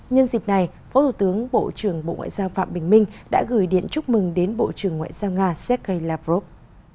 nhân dịp này phó thủ tướng bộ trưởng bộ ngoại giao phạm bình minh đã gửi điện chúc mừng đến bộ trưởng ngoại giao nga sergei lavrov